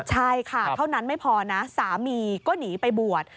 ใช่ค่ะเท่านั้นไม่พอนะสามีก็หนีไปบวช